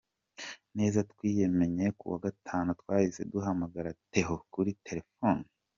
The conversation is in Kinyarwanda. neza, twayimenye kuwa gatanu, twahise duhamagara Theo kuri telefoni ye.